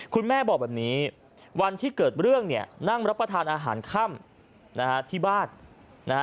คุณแม่บอกแบบนี้วันที่เกิดเรื่องเนี่ยนั่งรับประทานอาหารค่ำนะฮะที่บ้านนะฮะ